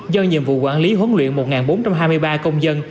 do nhiệm vụ quản lý huấn luyện một bốn trăm hai mươi ba công dân